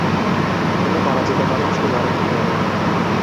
তিনি পরাজিত করেন সেই ওয়ার্ল্ড ফেয়ারে।